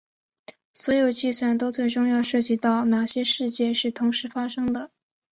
所有计算都最终要涉及到哪些事件是同时发生的。